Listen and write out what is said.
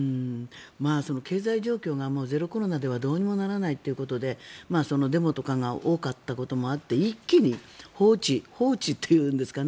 経済状況がゼロコロナではどうにもならないということでデモとが多かったこともあって一気に放置というんですかね